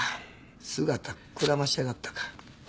姿くらましやがったか。